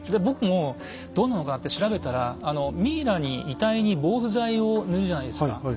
僕もどうなのかなって調べたらミイラに遺体に防腐剤を塗るじゃないですか。